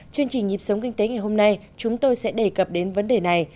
chương trình nhịp sống kinh tế ngày hôm nay chúng tôi sẽ đề cập đến vấn đề này